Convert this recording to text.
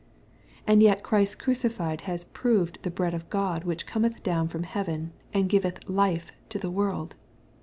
And yet Christ crucified has proved the bread of God which cometh down from heaven, and giveth life to the world.